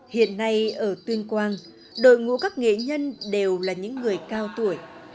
hiện nay ở tuyên quang đội ngũ các nghệ nhân đều là những người cao tuổi